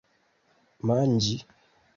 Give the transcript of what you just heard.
manĝi